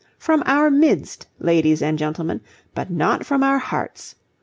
From our midst, ladies and gentlemen, but not from our hearts.